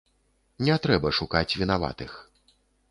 Не трэба шукаць вінаватых.